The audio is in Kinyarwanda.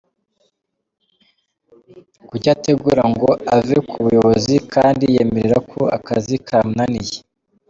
Kuki ategura ngo ave ku buyobozi, kandi yiyemerera ko akazi kamunaniye?